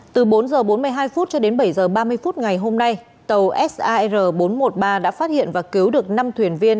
trong hai mươi hai h cho đến bảy h ba mươi ngày hôm nay tàu sar bốn trăm một mươi ba đã phát hiện và cứu được năm thuyền viên